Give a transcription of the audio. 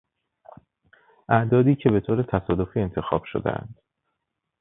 اعدادی که به طور تصادفی انتخاب شدهاند